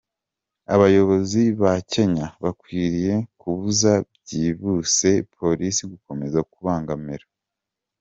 Abayobozi ba Kenya bakwiriye kubuza byihuse Polisi gukomeza kubabangamira.